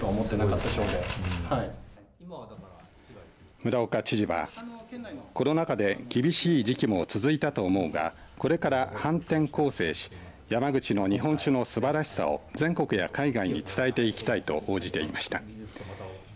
村岡知事はコロナ禍で厳しい時期も続いたと思うがこれから反転攻勢し山口の日本酒のすばらしさを全国や海外に伝えていきたいと応じていました。